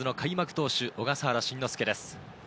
投手・小笠原慎之介です。